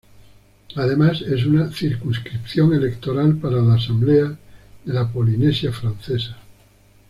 Además, es una circunscripción electoral para la Asamblea de la Polinesia Francesa.